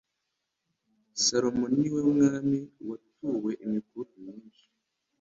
salomo niwe mwami watuwe imikufi myinshi